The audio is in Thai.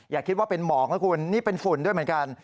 อย่าคิดว่าเป็นหมอกนะคุณนี่เป็นฝุ่นด้วยเหมือนกัน